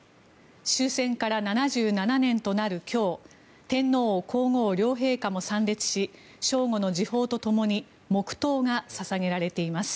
終戦から７７年となる今日天皇・皇后両陛下も参列し正午の時報とともに黙祷が捧げられています。